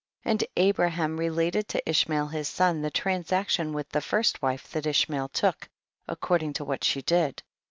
2. And Abraham related to Ish mael his son the transaction with the first wife that Ishmael took, accord ing to what she did.